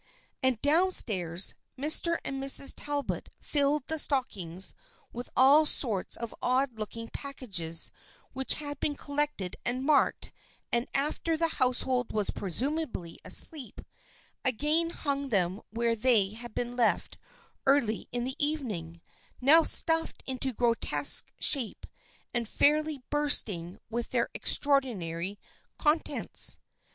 And down stairs, Mr. and Mrs. Tal bot filled the stockings with all sorts of odd look ing packages which had been collected and marked, and after the household was presumably asleep, again hung them where they had been left early in the evening, now stuffed into grotesque shape and fairly bursting with their extraordinary con tents.